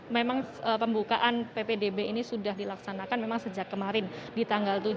memang pembukaan ppdb ini sudah dilaksanakan memang sejak kemarin di tanggal tujuh